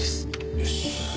よし。